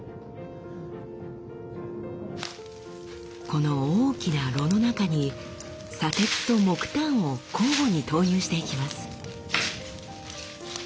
この大きな炉の中に砂鉄と木炭を交互に投入していきます。